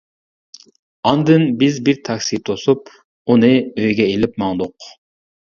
ئاندىن بىز بىر تاكسى توسۇپ، ئۇنى ئۆيىگە ئېلىپ ماڭدۇق.